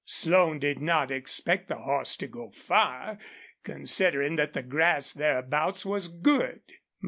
Slone did not expect the horse to go far, considering that the grass thereabouts was good.